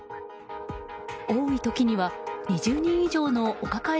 多い時には２０人以上のお抱え